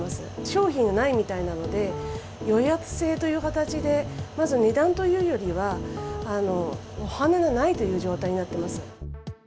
商品がないみたいなので、予約制という形で、まず値段というよりは、お花がないという状態になっています。